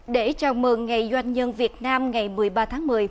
để chào mừng ngày doanh nhân việt nam ngày một mươi ba tháng một mươi